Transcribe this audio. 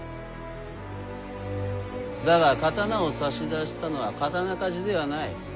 だが刀を差し出したのは刀鍛冶ではない。